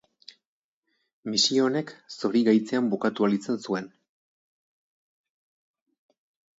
Misio honek zorigaitzean bukatu ahal izan zuen.